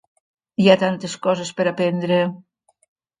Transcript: Hi ha tantes coses per aprendre.